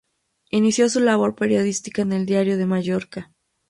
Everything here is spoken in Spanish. Inició su labor periodística en el "Diario de Mallorca".